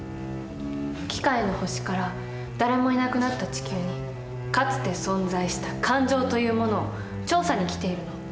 機械の星から誰もいなくなった地球にかつて存在した感情というものを調査に来ているの。